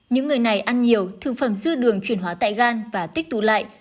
những người này ăn nhiều thương phẩm dư đường chuyển hóa tại gan và tích tủ lại